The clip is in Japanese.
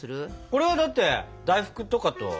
これはだって大福とかと。